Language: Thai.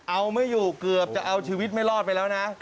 เอาไม่อยู่เกือบจะเอาชีวิตไม่รอดไปแล้วนะ